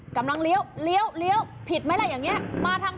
กำลังเลี้ยวเลี้ยวผิดไหมล่ะอย่างนี้มาทาง